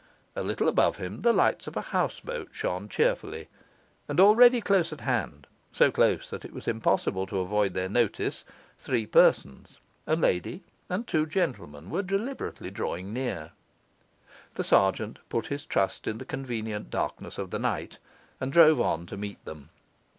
A little above him the lights of a houseboat shone cheerfully; and already close at hand, so close that it was impossible to avoid their notice, three persons, a lady and two gentlemen, were deliberately drawing near. The sergeant put his trust in the convenient darkness of the night, and drove on to meet them.